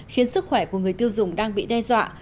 khiến sức khỏe của người tiêu dùng đang bị đe dọa